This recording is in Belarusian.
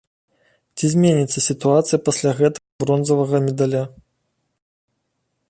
Ці зменіцца сітуацыя пасля гэтага бронзавага медаля?